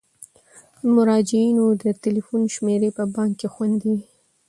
د مراجعینو د تلیفون شمیرې په بانک کې خوندي وي.